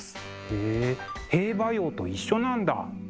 へえ「兵馬俑」と一緒なんだ。